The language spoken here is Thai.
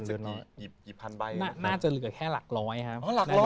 หน้าจะเหลือแค่หลักร้อยครับ